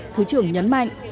thứ trưởng nhấn mạnh